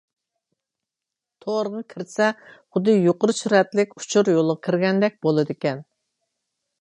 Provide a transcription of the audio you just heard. تورغا كىرسە، خۇددى يۇقىرى سۈرئەتلىك ئۇچۇر يولىغا كىرگەندەك بولىدىكەن.